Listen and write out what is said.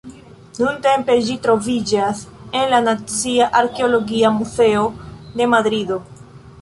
Nuntempe ĝi troviĝas en la Nacia Arkeologia Muzeo de Madrido.